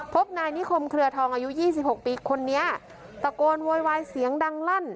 พบนายนิคมเครือทองอายุ๒๖ปีคนนี้ตะโกนโวยวายเสียงดังลั่น